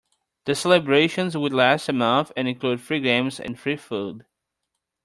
The celebrations would last a month and include free games and free food.